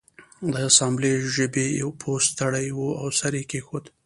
د اسامبلۍ ژبې پوه ستړی و او سر یې کیښود